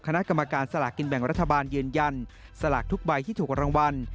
คณะกรรมการสลากกินแบ่งรัฐบาลยืนยันสลากทุกใบที่ถูกรางวัล